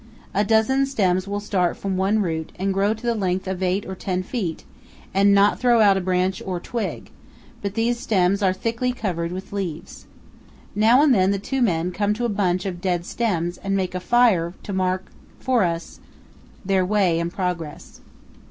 A dozen stems will start from one root and grow to the length of eight or ten feet and not throw out a branch or twig, but these stems are thickly covered with leaves. Now and then the two men come to a bunch of dead stems and make a fire to mark for us their way and progress.